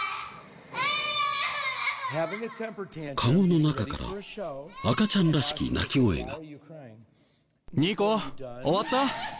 籠の中から赤ちゃんらしき泣き声が。